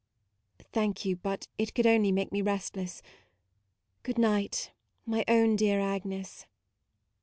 "Thank you, but it could only make me restless. Good night, my own dear Agnes."